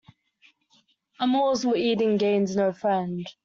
A morsel eaten gains no friend.